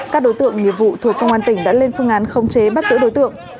các đối tượng nghiệp vụ thuộc công an tỉnh đã lên phương án khống chế bắt giữ đối tượng